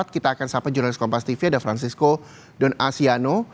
kita akan sampai di jurnalis kompas tv ada francisco donasiano